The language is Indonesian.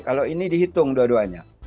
kalau ini dihitung dua duanya